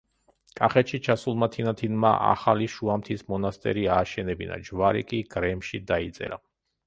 კახეთში ჩასულმა თინათინმა ახალი შუამთის მონასტერი ააშენებინა, ჯვარი კი გრემში დაიწერა.